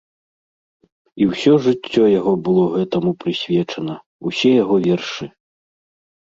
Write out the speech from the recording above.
І ўсё жыццё яго было гэтаму прысвечана, усе яго вершы.